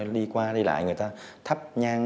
đi qua đi lại người ta thắp nhan